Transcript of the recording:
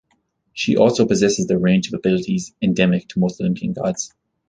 She also possesses the range of abilities endemic to most Olympian gods.